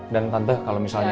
dan tante kalo misalnya